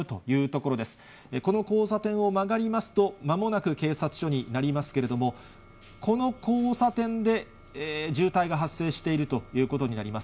この交差点を曲がりますと、まもなく警察署になりますけれども、この交差点で渋滞が発生しているということになります。